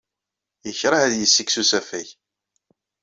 Yekṛeh ad yessike s usafag.